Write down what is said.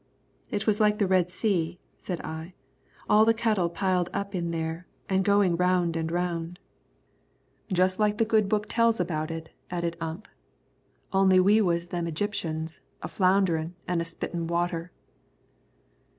"It was like the Red Sea," said I; "all the cattle piled up in there, and going round and round." "Just like the good book tells about it," added Ump; "only we was them Egyptians, a flounderin' an' a spittin' water."